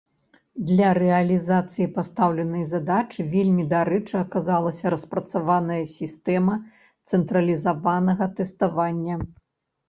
Для рэалізацыі пастаўленай задачы вельмі дарэчы аказалася распрацаваная сістэма цэнтралізаванага тэставання.